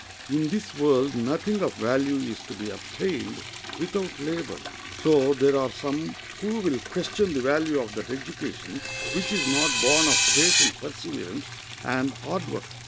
In this world nothing of value is to be obtained without labor. So there are some who will question the value of that education which is not born of patient perseverance and hard work.